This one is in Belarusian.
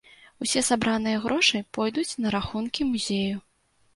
Усе сабраныя грошы пойдуць на рахункі музею.